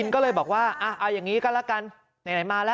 ขอบคุณครับ